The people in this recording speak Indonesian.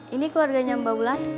ini keluarganya mbak ulan